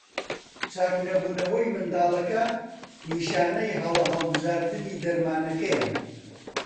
چاکنەبوونەوەی منداڵەکە نیشانەی هەڵە هەڵبژاردنی دەرمانەکەیە.